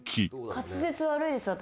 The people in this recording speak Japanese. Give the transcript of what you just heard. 滑舌悪いです私。